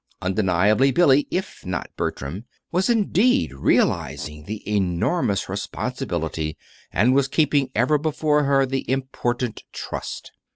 Undeniably Billy, if not Bertram, was indeed realizing the Enormous Responsibility, and was keeping ever before her the Important Trust.